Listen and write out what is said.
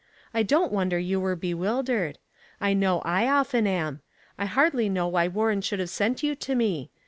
'' I don't wonder you were bewildered. I know I often am. I hardly know why Warren should have sent you to me.